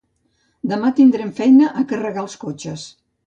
Demà tindrem feina a carregar els cotxes